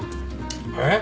えっ？